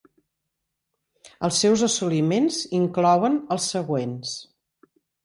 Els seus assoliments inclouen els següents.